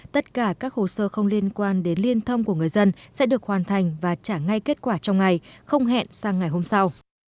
tất cả các hồ sơ không liên quan đến liên thông của người dân sẽ được hoàn thành và trả ngay kết quả trong ngày không hẹn sang ngày hôm sau